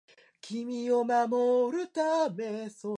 重岡大毅